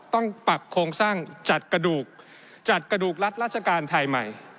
ต้องปรับโครงสร้างจัดกระดูกจัดกระดูกรัฐราชการไทยใหม่